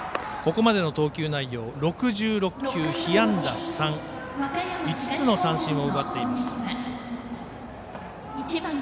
ここまでの投球内容６６球、被安打３５つの三振を奪っています。